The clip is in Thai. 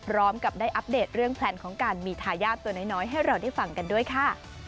พร้อมกับได้อัปเดตเรื่องแพลนของการมีทายาทตัวน้อยให้เราได้ฟังกันด้วยค่ะ